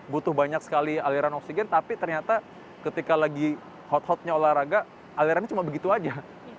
butuh banyak sekali aliran oksigen tapi ternyata ketika lagi hot hotnya olahraga alirannya cuma begitu aja